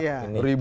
berapa puluh ribu